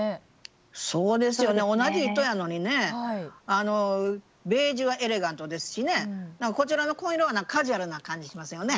あのベージュはエレガントですしねこちらの紺色はカジュアルな感じしますよね。